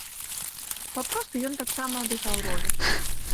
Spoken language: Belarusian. Папросту ён таксама адыграў ролю.